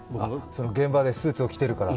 現場でスーツを着てるから。